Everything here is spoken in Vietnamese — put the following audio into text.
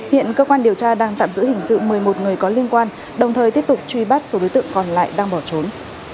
hiện cơ quan điều tra đang tạm giữ hình sự một mươi một người có liên quan đồng thời tiếp tục truy bắt số đối tượng còn lại đang bỏ trốn